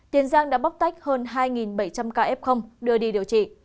tiền giang đã bóc tách hơn hai bảy trăm linh ca f đưa đi điều trị